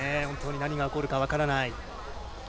本当に何が起こるか分からない。